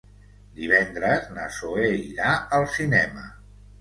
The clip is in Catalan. Divendres na Zoè irà al cinema.